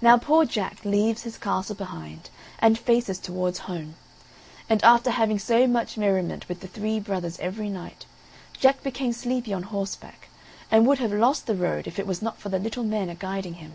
Now poor Jack leaves his castle behind and faces towards home; and after having so much merriment with the three brothers every night, Jack became sleepy on horseback, and would have lost the road if it was not for the little men a guiding him.